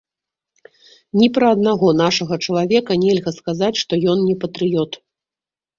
Ні пра аднаго нашага чалавека нельга сказаць, што ён не патрыёт.